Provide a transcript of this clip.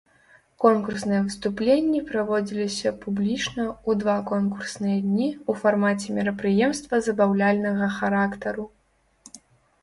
Конкурсныя выступленні праводзіліся публічна ў два конкурсныя дні ў фармаце мерапрыемства забаўляльнага характару.